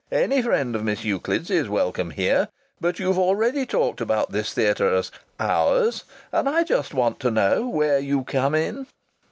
"Any friend of Miss Euclid's is welcome here, but you've already talked about this theatre as 'ours,' and I just want to know where you come in."